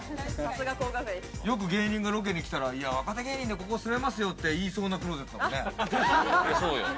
よく芸人がロケに来たら、若手芸人でここ住めますよって言いそうなクローゼットだね。